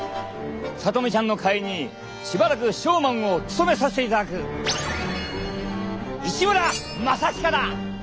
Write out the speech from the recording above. さとみちゃんの代わりにしばらくショーマンを務めさせていただく市村正親だ！